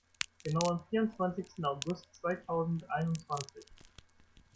Genau am vierundzwanzigsten August zweitausendeinundzwanzig.